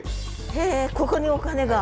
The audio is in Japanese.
へえここにお金が？